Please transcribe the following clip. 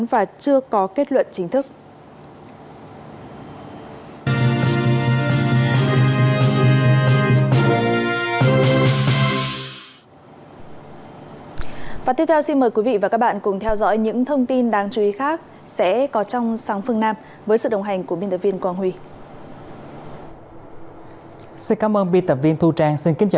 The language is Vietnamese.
và chưa có kết luận chính thức